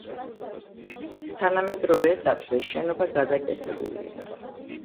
თანამედროვე ეტაპზე შენობა გადაკეთებულია.